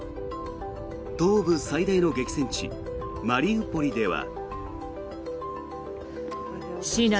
東部最大の激戦地マリウポリでは。